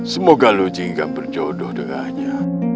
semoga lo jingga berjodoh dengannya